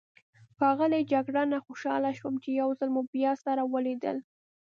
ښاغلی جګړنه، خوشحاله شوم چې یو ځلي مو بیا سره ولیدل.